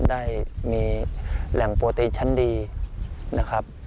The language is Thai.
ได้มีแหล่งโปรตีนชั้นดีนะครับ